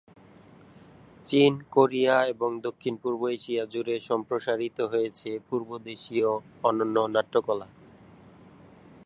চীন, কোরিয়া এবং দক্ষিণ পূর্ব এশিয়া জুড়ে সম্প্রসারিত হয়েছে পূর্বদেশীয় অন্যান্য নাট্যকলা।